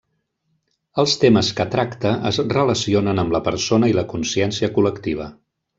Els temes que tracta es relacionen amb la persona i la consciència col·lectiva.